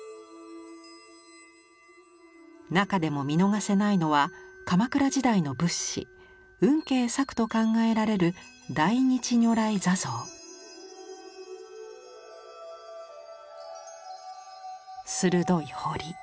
中でも見逃せないのは鎌倉時代の仏師運慶作と考えられる鋭い彫り。